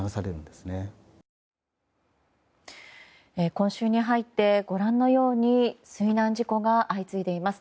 今週に入ってご覧のように水難事故が相次いでいます。